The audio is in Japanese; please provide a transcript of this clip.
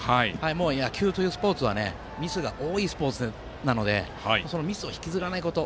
野球というスポーツはミスが多いスポーツなのでそのミスを引きずらないこと。